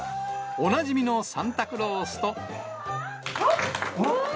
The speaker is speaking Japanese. おなじみのサンタクロースと。